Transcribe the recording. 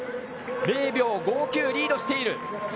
０秒５９リードしている。